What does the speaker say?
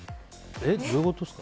どういうことですか？